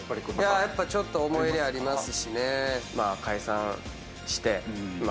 やっぱちょっと思い入れありますしね。